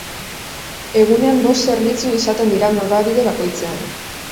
Egunean bost zerbitzu izaten dira norabide bakoitzean.